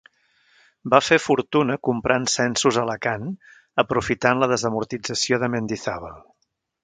Va fer fortuna comprant censos a Alacant aprofitant la desamortització de Mendizábal.